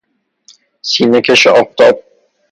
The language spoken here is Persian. سینه کش آفتاب